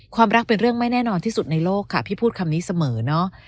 ความรักเป็นเรื่องไม่แน่นอนที่สุดในโลกค่ะพี่พูดคำนี้เสมอเนอะ